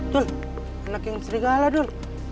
dul anak yang serigala dul